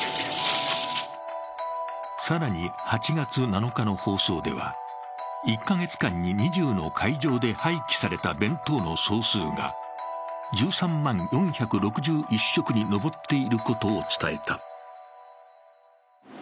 更に８月７日の放送では、１カ月間に２０の会場で廃棄された弁当の総数が１３万４６１食に上っていることを伝えた。